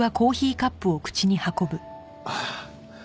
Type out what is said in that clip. ああ。